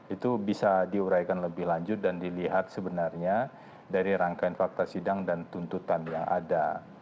itu bisa diuraikan lebih lanjut dan dilihat sebenarnya dari rangkaian fakta sidang dan tuntutan yang ada